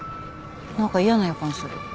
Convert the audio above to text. なんか嫌な予感する。